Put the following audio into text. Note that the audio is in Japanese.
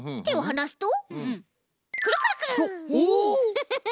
フフフッ。